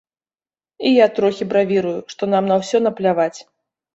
І я трохі бравірую, што нам на ўсё напляваць.